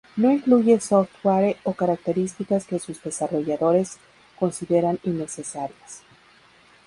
No incluye software o características que sus desarrolladores consideran innecesarias.